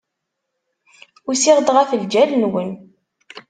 Usiɣ-d ɣef ljal-nwen.